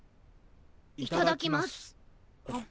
いただきます。